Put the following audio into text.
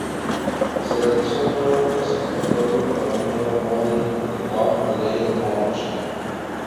Se realizó un nuevo clasificatorio para un nuevo Money in the Bank Ladder Match.